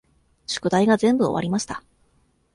宿題が全部終わりました。